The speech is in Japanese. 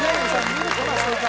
見事な正解！